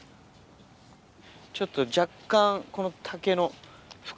ちょっと若干この。